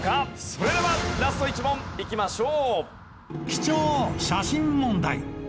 それではラスト１問いきましょう。